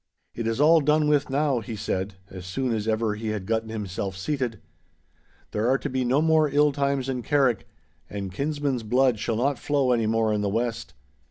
'It is all done with now,' he said, as soon as ever he had gotten himself seated; 'there are to be no more ill times in Carrick, and kinsmen's blood shall not flow any more in the West.